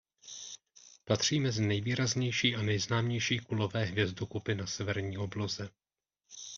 Patří mezi nejvýraznější a nejznámější kulové hvězdokupy na severní obloze.